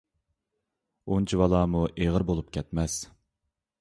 ئۇنچىۋالامۇ ئېغىر بولۇپ كەتمەس!